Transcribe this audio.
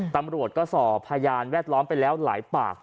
ตำรวจก็สอบพยานแวดล้อมไปแล้วหลายปาก